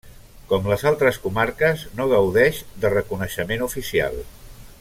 Com les altres comarques, no gaudeix de reconeixement oficial.